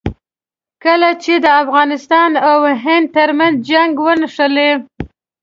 کله چې د افغانستان او هند ترمنځ جنګ ونښلي.